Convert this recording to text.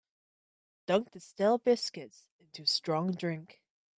Dunk the stale biscuits into strong drink.